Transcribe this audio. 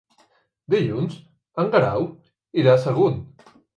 Dilluns en Guerau irà a Sagunt.